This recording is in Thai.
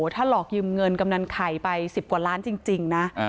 ถ้าหลอกยืมเงินกำนันไข่ไป๑๐กว่าล้านจริงนะ